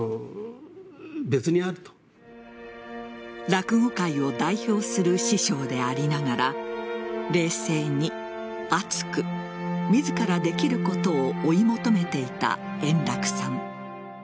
落語界を代表する師匠でありながら冷静に、熱く自らできることを追い求めていた円楽さん。